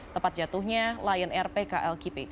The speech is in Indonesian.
tepat jatuhnya lion air pklkp